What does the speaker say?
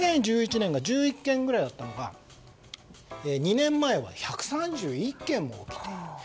２０１１年が１１件ぐらいだったのが２年前は１３１件も起きている。